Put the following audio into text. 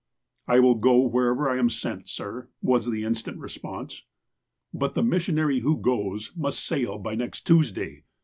''I will go wherever I am sent, sir," was the instant response. " But the missionary who goes must sail by next Tues day.